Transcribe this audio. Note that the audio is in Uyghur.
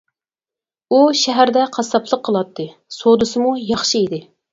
ئۇ شەھەردە قاسساپلىق قىلاتتى، سودىسىمۇ ياخشى ئىدى.